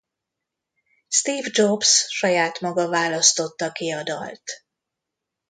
Steve Jobs saját maga választotta ki a dalt.